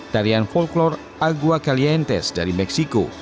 tarian folklore agua calientes dari meksiko